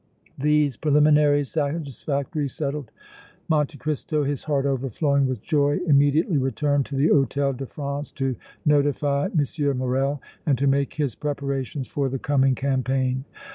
These preliminaries satisfactorily settled, Monte Cristo, his heart overflowing with joy, immediately returned to the Hôtel de France to notify M. Morrel and to make his preparations for the coming campaign.